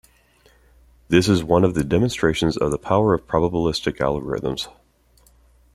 This is one of the demonstrations of the power of probabilistic algorithms.